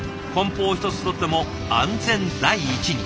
梱包一つとっても安全第一に。